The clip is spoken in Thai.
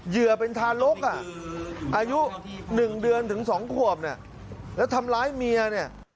เหยื่อเป็นทารกอ่ะอายุ๑เดือนถึง๒ขวบเนี่ยแล้วทำร้ายเมียเนี่ย